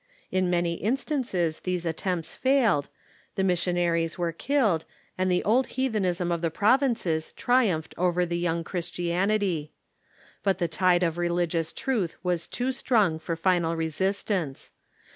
In many instances these attempts failed, the missionaries were killed, and the old heathenism of the provinces triumphed over the young Christianity. But the tide of religious truth was too strong for final resistance.